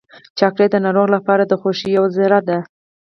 چاکلېټ د ناروغ لپاره د خوښۍ یوه ذره ده.